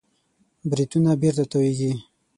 بریتونونه بېرته تاوېږي.